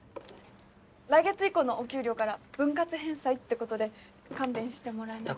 来月以降のお給料から分割返済ってことで勘弁してもらえないかな。